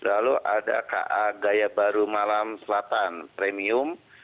lalu ada ka gaya baru malam selatan premium